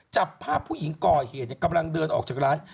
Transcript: จับภาพผู้หญิงก่อเหตุกำลังเดินออกจากร้าน